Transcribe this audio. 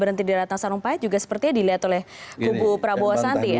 berhenti di datang sarung pahit juga sepertinya dilihat oleh kubu prabowo santi ya